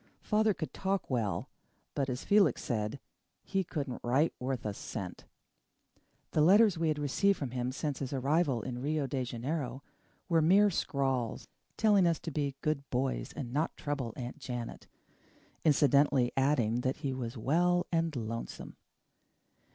Father could talk well but, as Felix said, he couldn't write worth a cent. The letters we had received from him since his arrival in Rio de Janeiro were mere scrawls, telling us to be good boys and not trouble Aunt Janet, incidentally adding that he was well and lonesome.